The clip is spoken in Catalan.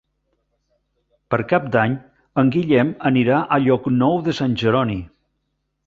Per Cap d'Any en Guillem anirà a Llocnou de Sant Jeroni.